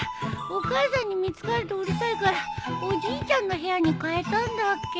お母さんに見つかるとうるさいからおじいちゃんの部屋に変えたんだっけ？